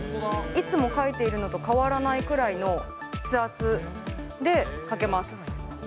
いつも書いているのと変わらないくらいの筆圧で書けます。